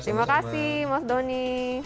terima kasih mas doni